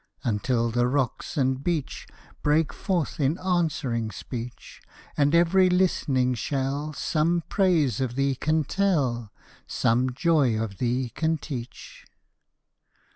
Until the rocks and beach Break forth in answering speech, And every listening shell Some praise of thee can tell; Some joy of thee can teach.